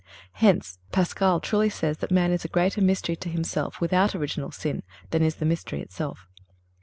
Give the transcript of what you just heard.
Hence, Paschal truly says that man is a greater mystery to himself without original sin than is the mystery itself.